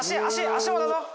脚もだぞ！